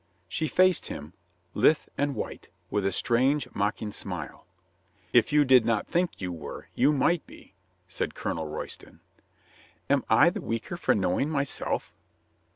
She faced him, lithe and white, with a strange, mocking smile. "If you did not think you were you might be," said Colonel Royston. "Am I the weaker for knowing myself?"